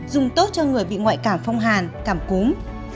dùng tốt cho người bị ngoại cảm phong hàn cảm cúm